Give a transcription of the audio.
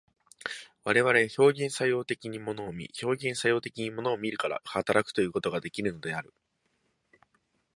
我々は表現作用的に物を見、表現作用的に物を見るから働くということができるのである。